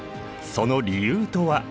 その理由とは？